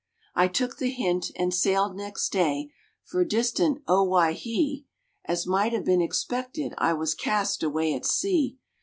I took the hint, and sailed next day for distant Owhyhee, As might have been expected, I was cast away at sea.